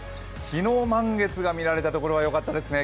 昨日、満月が見られた所はよかったですね。